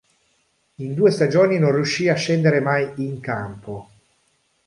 In due stagioni non riuscì a scendere mai in campo.